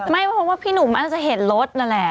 ไม่เพราะว่าพี่หนุ่มอาจจะเห็นรถนั่นแหละ